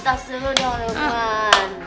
tas dulu dong luqman